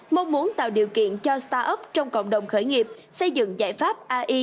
mong muốn tạo điều kiện cho start up trong cộng đồng khởi nghiệp xây dựng giải pháp ai